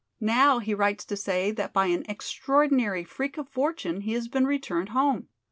Now he writes to say that by an extraordinary freak of fortune he has been returned home.